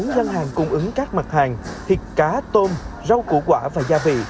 một mươi bốn dân hàng cung ứng các mặt hàng thịt cá tôm rau củ quả và gia vị